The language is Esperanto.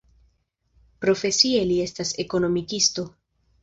Profesie li estas ekonomikisto.